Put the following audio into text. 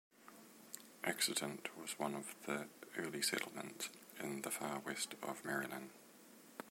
Accident was one of the early settlements in the far west of Maryland.